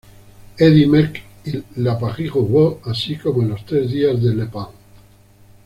Eddy Merckx y la París-Roubaix, así como en los Tres días de La Panne.